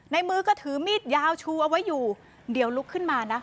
มือก็ถือมีดยาวชูเอาไว้อยู่เดี๋ยวลุกขึ้นมานะ